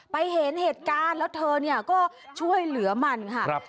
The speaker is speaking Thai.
เห็นเหตุการณ์แล้วเธอเนี่ยก็ช่วยเหลือมันค่ะ